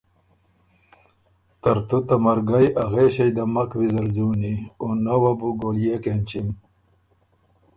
ترتُو ته مرګئ ا غېݭئ ده مک ویزر ځُوني او نه وه بو ګوليېک اېنچِم“